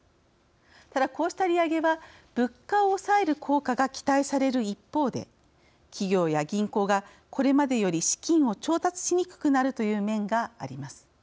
ただ、こうした利上げは物価を抑える効果が期待される一方で企業や銀行がこれまでより資金を調達しにくくなるという面があります。